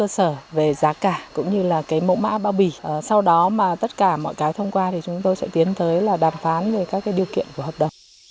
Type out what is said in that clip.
sau đó tất cả mọi cái thông qua thì chúng tôi sẽ tiến tới là đàm phán về các điều kiện của hợp đồng